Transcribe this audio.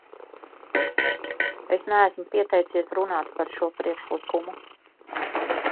Es neesmu pieteicies runāt par šo priekšlikumu.